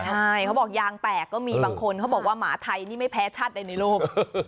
ใช่เขาบอกยางแตกก็มีบางคนเขาบอกว่าหมาไทยนี่ไม่แพ้ชาติใดในโลก